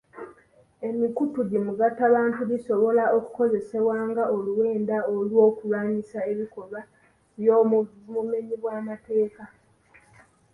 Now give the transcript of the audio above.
Emikutu emigattabantu gisobola okukozesebwa nga oluwenda olw'okulwanyisa ebikolwa by'obumenyi bw'amateeka.